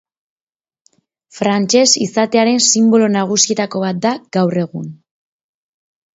Frantses izatearen sinbolo nagusietako bat da gaur egun.